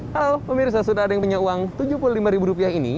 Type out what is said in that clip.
halo pemirsa sudah ada yang punya uang rp tujuh puluh lima ribu rupiah ini